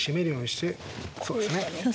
そうですね。